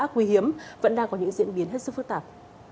quy hiếm vẫn đang có những diễn biến hết sức phức tạp